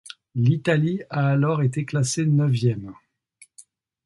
L'Italie a alors été classée neuvième.